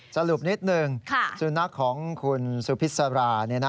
สรุปนิดหนึ่งสุนัขของคุณสุพิษรา